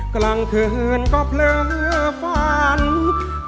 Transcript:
กลางคืนก็เพลือฝันไม่มีใครช่วยแป้งเบา